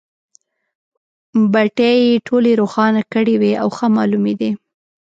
بټۍ یې ټولې روښانه کړې وې او ښه مالومېدې.